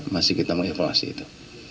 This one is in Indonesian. masih kita meng evaluasi itu